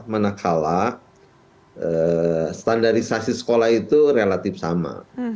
manakala standarisasi sekolah itu relatif sama